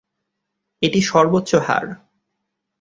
এটি সর্বোচ্চ হার।